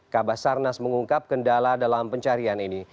kabah sarnas mengungkap kendala dalam pencarian ini